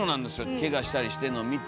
けがしたりしてんのを見て。